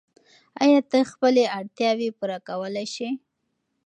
آیا ته خپلې اړتیاوې پوره کولای سې؟